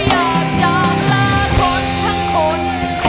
อยากจะลาคนทั้งคน